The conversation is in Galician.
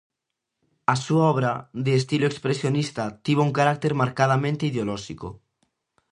A súa obra, de estilo expresionista, tivo un carácter marcadamente ideolóxico.